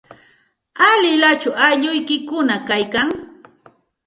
¿Alilachu aylluykikuna kaykan?